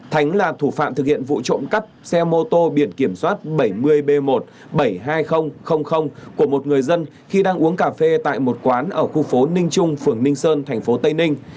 thánh là thủ phạm thực hiện vụ trộn cấp xe mô tô biển kiểm soát bảy mươi b một bảy nghìn hai trăm linh của một người dân khi đang uống cà phê tại một quán ở khu phố ninh trung phường ninh sơn thành phố tây ninh